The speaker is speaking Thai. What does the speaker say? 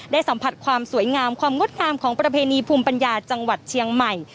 สัมผัสความสวยงามความงดงามของประเพณีภูมิปัญญาจังหวัดเชียงใหม่